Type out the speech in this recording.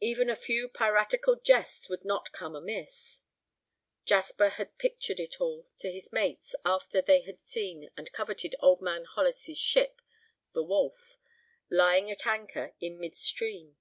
Even a few piratical jests would not come amiss. Jasper had pictured it all to his mates after they had seen and coveted Old Man Hollis's ship, The Wolf, lying at anchor in mid stream.